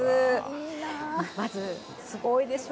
まず、すごいでしょ。